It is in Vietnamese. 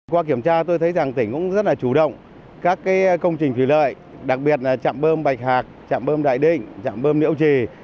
qua kiểm tra tôi thấy rằng tỉnh cũng rất là chủ động các công trình thủy lợi đặc biệt là trạm bơm bạch hạc trạm bơm đại định chạm bơm miễu trì